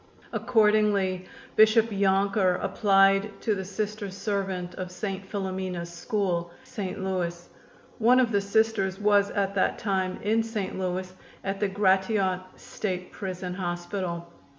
Accordingly, Bishop Yonker applied to the Sister servant of St. Philomena's School, St. Louis. One of the Sisters was at that time in St. Louis at the Gratiot State Prison Hospital.